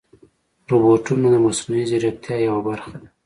روبوټونه د مصنوعي ځیرکتیا یوه برخه ده.